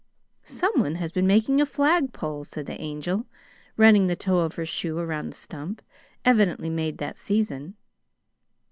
"Someone has been making a flagpole," said the Angel, running the toe of her shoe around the stump, evidently made that season.